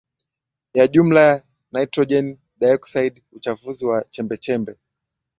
ya jumla ya Nitrojeni Dioksidi Uchafuzi wa Chembechembe